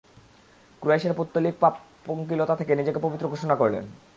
কুরাইশের পৌত্তলিক পাপ-পঙ্কিলতা থেকে নিজেকে পবিত্র ঘোষণা করলেন।